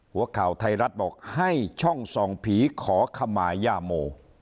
หัวข่าวไทยรัฐบอกให้ช่องส่องผีขอขมาย่าโม